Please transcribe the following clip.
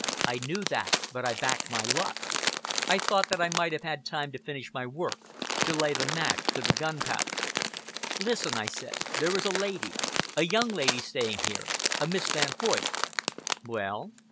I knew that; but I backed my luck. I thought that I might have had time to finish my work to lay the match to the gunpowder." "Listen," I said, "there is a lady a young lady staying here, a Miss Van Hoyt." "Well?"